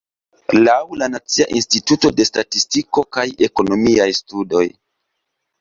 Laŭ la Nacia Instituto de Statistiko kaj Ekonomiaj Studoj.